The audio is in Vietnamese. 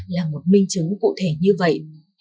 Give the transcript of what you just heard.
là một minh chứng cụ thể như vậy